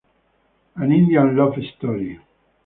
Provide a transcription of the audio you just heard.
An Indian Love Story